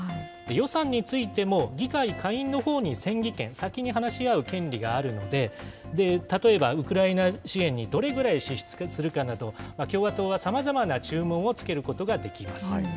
予算についても、議会下院のほうに先議権、先に話し合う権利があるので、例えばウクライナ支援にどれぐらい支出するかなど、共和党はさまざまな注文をつけることができます。